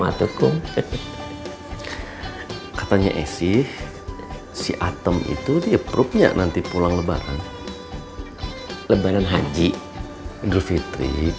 atau kum katanya esi si atom itu dia propnya nanti pulang lebaran lebaran haji dufitri